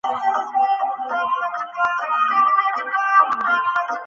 আমার কোন ধারণা নাই কি ঘটেছিল তুমি হয়তো বলতে পারবে সৃষ্টিকর্তাকে?